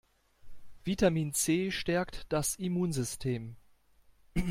Vitamin C stärkt das Immunsystem.